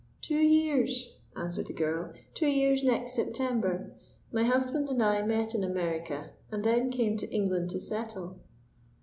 "Two years," answered the girl. "Two years next September. My husband and I met in America, and then came to England to settle."